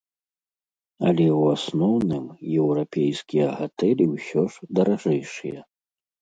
Але ў асноўным еўрапейскія гатэлі ўсё ж даражэйшыя.